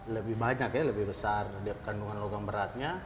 lebih banyak ya lebih besar kandungan logam beratnya